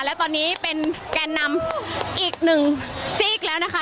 และตอนนี้เป็นแกนนำอีกหนึ่งซีกแล้วนะคะ